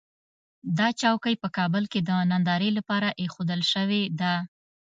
دا چوکۍ په کابل کې د نندارې لپاره اېښودل شوې ده.